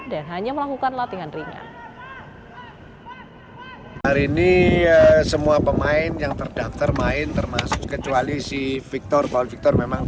dan hanya melakukan uji coba